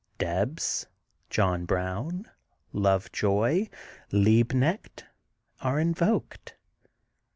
Debs, John Brown, Lovejoy, Liebknecht, are invoked.